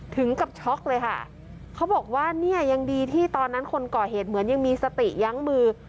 ถึงกับช็อกเลยค่ะเขาบอกว่าเนี่ยยังดีที่ตอนนั้นคนก่อเหตุเหมือนยังมีสติยั้งมือ